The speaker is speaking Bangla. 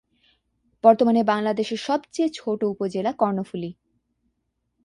বর্তমানে বাংলাদেশের সবচেয়ে ছোট উপজেলা কর্ণফুলী।